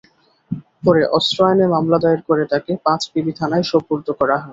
পরে অস্ত্র আইনে মামলা দায়ের করে তাঁকে পাঁচবিবি থানায় সোপর্দ করা হয়।